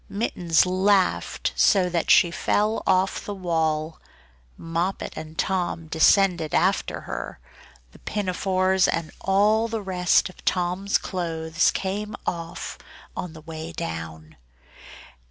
Mittens laughed so that she fell off the wall. Moppet and Tom descended after her; the pinafores and all the rest of Tom's clothes came off on the way down.